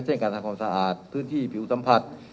เช่นการทำความสะอาดพื้นที่ผิวสัมผัส